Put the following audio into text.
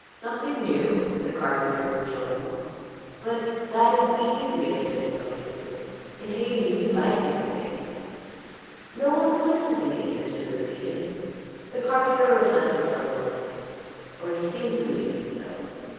"Something new?" the carpenter rejoined. "But that is easy if it is something new. In Hayti we like new things." "No one will listen to me," Simpson repeated. The carpenter reflected for a moment, or seemed to be doing so.